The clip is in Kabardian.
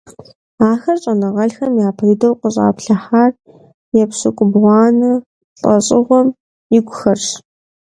Ахэр щӀэныгъэлӀхэм япэ дыдэу къыщаплъыхьар епщыкӏубгъуанэ лӀэщӀыгъуэм икухэрщ.